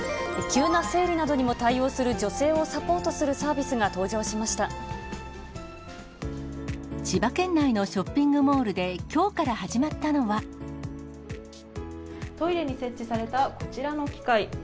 急な生理などにも対応する女性をサポートするサービスが登場しま千葉県内のショッピングモールで、トイレに設置されたこちらの機械。